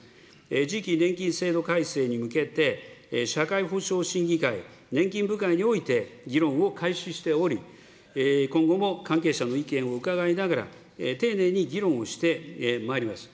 次期年金制度改正に向けて、社会保障審議会、年金部会において、議論を開始しており、今後も関係者の意見を伺いながら丁寧に議論をしてまいります。